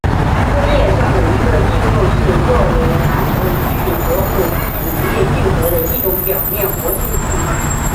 工业上的一个应用是作为含氟聚合物乳液聚合的一种表面活性剂。